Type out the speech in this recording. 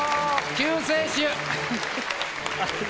救世主！